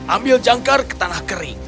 ambil jangkar ke tanah kering